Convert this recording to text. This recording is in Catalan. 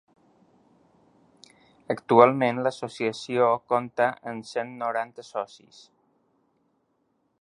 Actualment l’associació compta amb cent noranta socis.